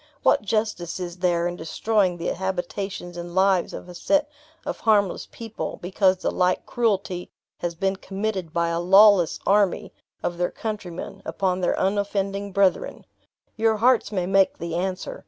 What justice is there in destroying the habitations and lives of a set of harmless people, because the like cruelty has been committed by a lawless army of their countrymen, upon our unoffending brethren? Your hearts may make the answer.